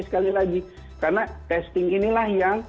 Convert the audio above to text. sekali lagi karena testing inilah yang